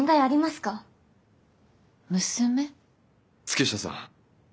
月下さん